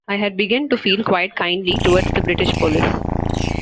I had begun to feel quite kindly towards the British police.